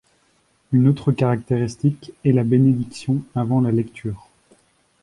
Une autre caractéristique est la bénédiction avant la lecture.